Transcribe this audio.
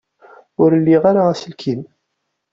Ur liɣ ara aselkim.